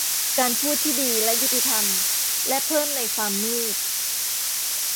การพูดที่ดีและยุติธรรม และเพิ่มในความมืด